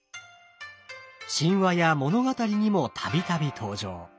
神話や物語にも度々登場。